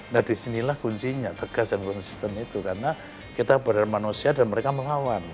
nah disinilah kuncinya tegas dan konsisten itu karena kita berada di manusia dan mereka mengawan